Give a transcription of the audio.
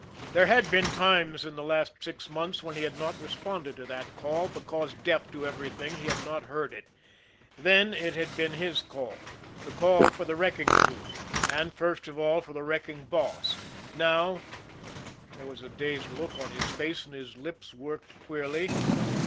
There had been times in the last six months when he had not responded to that call, because, deaf to everything, he had not heard it. Then, it had been his call the call for the wrecking crew, and, first of all, for the wrecking boss; now there was a dazed look on his face, and his lips worked queerly.